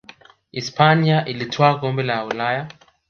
hispania ilitwaa kombe la ulaya